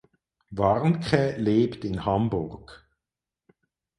Warnke lebt in Hamburg.